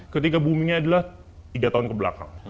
ketika buminya adalah tiga tahun kebelakang